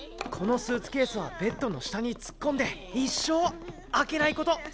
このスーツケースはベッドの下に突っ込んで一生開けないこと。